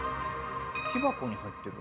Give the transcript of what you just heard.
木箱に入ってる？